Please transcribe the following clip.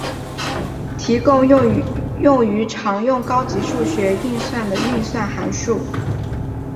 提供用于常用高级数学运算的运算函数。